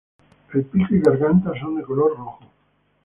El pico y garganta son de color rojo.